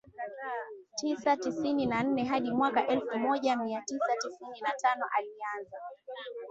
tisa tisini na nne hadi mwaka elfu moja mia tisa tisini na tano alianza